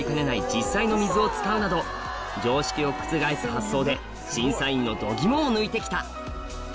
実際の水を使うなど常識を覆す発想で審査員の度肝を抜いて来た